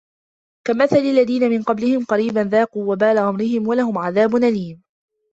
كَمَثَلِ الَّذِينَ مِنْ قَبْلِهِمْ قَرِيبًا ذَاقُوا وَبَالَ أَمْرِهِمْ وَلَهُمْ عَذَابٌ أَلِيمٌ